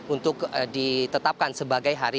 untuk ditetapkan sebagai hari